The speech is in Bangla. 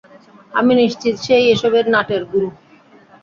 আমি নিশ্চিত সে-ই এসবের নাটের গুর।